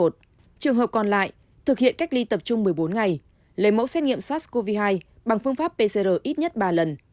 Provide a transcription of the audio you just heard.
trường hợp còn lại thực hiện cách ly tập trung một mươi bốn ngày lấy mẫu xét nghiệm sars cov hai bằng phương pháp pcr ít nhất ba lần